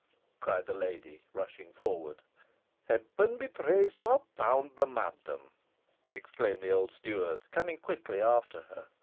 cried the lady, rushing forward. "Heaven be praised you have found them, madam!" exclaimed the old steward, coming quickly after her.